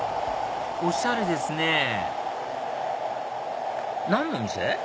おしゃれですね何のお店？